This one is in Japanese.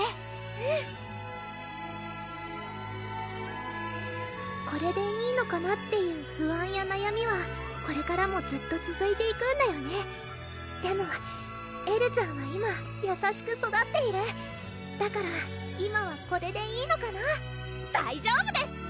うんこれでいいのかなっていう不安やなやみはこれからもずっとつづいていくんだよねでもエルちゃんは今優しく育っているだから今はこれでいいのかな大丈夫です！